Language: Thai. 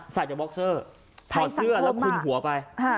จากบ็อกเซอร์ถอดเสื้อแล้วคุมหัวไป